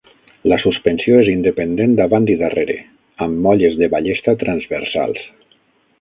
La suspensió és independent davant i darrere, amb molles de ballesta transversals.